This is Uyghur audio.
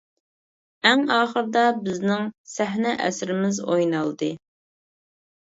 ئەڭ ئاخىرىدا بىزنىڭ سەھنە ئەسىرىمىز ئوينالدى.